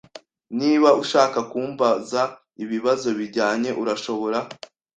Niba ushaka kumbaza ibibazo bijyanye, urashobora.